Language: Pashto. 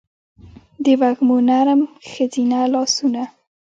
دوږمو نرم ښځینه لا سونه